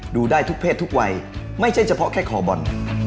ดูได้ทุกเพศทุกวัยไม่ใช่เฉพาะแค่คอบอล